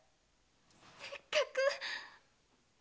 せっかく！